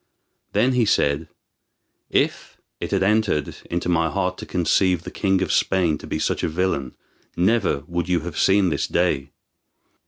Then he said: "If it had entered into my heart to conceive the king of Spain to be such a villain never would you have seen this day.